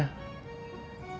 terbuat dari tanduk